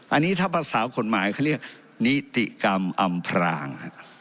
อันนี้ถ้าภาษากฎหมายเขาเรียกนิติกรรมอำพราง